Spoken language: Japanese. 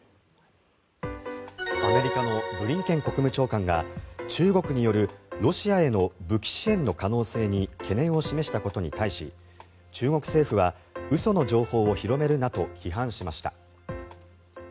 アメリカのブリンケン国務長官が中国によるロシアへの武器支援の可能性に懸念を示したことに対し中国政府は嘘の情報を広めるなと批判しました。